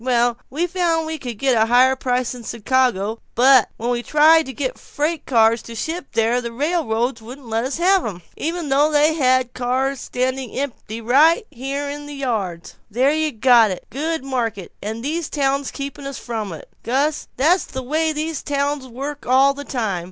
Well, we found we could get higher prices in Chicago, but when we tried to get freight cars to ship there, the railroads wouldn't let us have 'em even though they had cars standing empty right here in the yards. There you got it good market, and these towns keeping us from it. Gus, that's the way these towns work all the time.